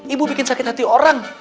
ibu bikin sakit hati orang